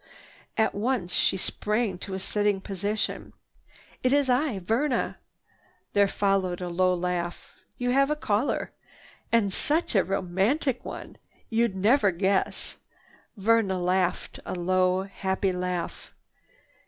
At once she sprang to a sitting position. "It is I, Verna." There followed a low laugh. "You have a caller. And such a romantic one! You'd never guess." Verna laughed a low, happy laugh.